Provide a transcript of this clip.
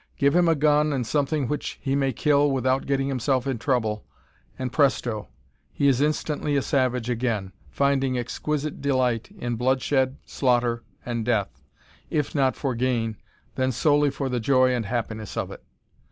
Give him a gun and something which he may kill without getting himself in trouble, and, presto! he is instantly a savage again, finding exquisite delight in bloodshed, slaughter, and death, if not for gain, then solely for the joy and happiness of it.